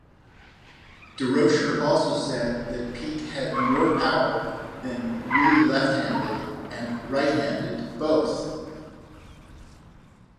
Durocher also said that Pete had more power than Willie-left-handed and right-handed both.